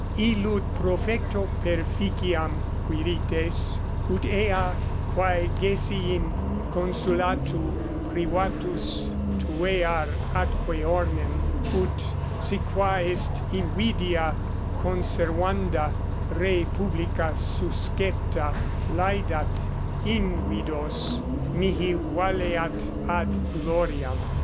Illud profecto perficiam, Quirites, 29 ut ea, quae gessi in consulatu, privatus tuear atque ornem, ut, si qua est invidia conservanda re publica suscepta, laedat invidos, mihi valeat ad gloriam.